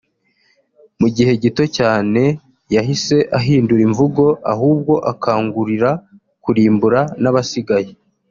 mu gihe gito cyane yahise ahindura imvugo ahubwo akangurira kurimbura n’abasigaye